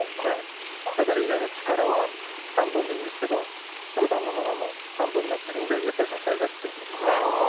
だから、入れる力は半分でいいんですがひとりさんの重さも半分になっているので支えが必要ということですね。